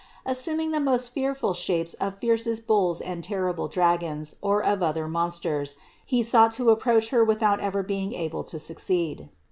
Assuming the most fearful shapes of fiercest bulls and terrible dragons or of other monsters, he sought to ap proach Her without ever being able to succeed.